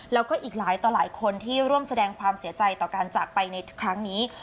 แล้วก็อีกหลายต่อหลายคนที่ร่วมแสดงความเสียใจต่อการจากไปในครั้งนี้